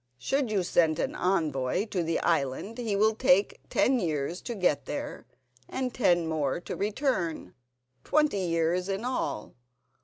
Should you send an envoy to the island he will take ten years to get there and ten more to return—twenty years in all.